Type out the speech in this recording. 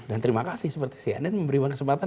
dan terima kasih seperti cnn memberi kesempatan